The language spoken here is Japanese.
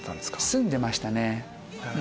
住んでましたね。